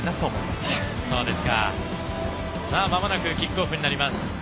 まもなくキックオフになります。